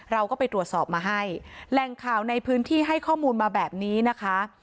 เราก็ไปตรวจสอบมาให้แหล่งข่าวในพื้นที่ให้ข้อมูลมาแบบนี้นะคะ